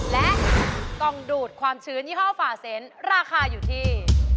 และกองดูดความชื้นยี่ห้อฝ่าเซนต์ราคาอยู่ที่